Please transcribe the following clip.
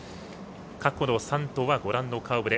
過去の３頭はご覧の顔ぶれ。